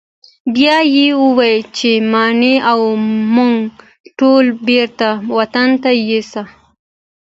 بیا یې وویل چې ماڼۍ او موږ ټول بیرته وطن ته یوسه.